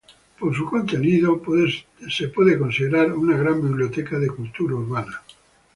Por su contenido, puede ser considerada una gran biblioteca de cultura urbana.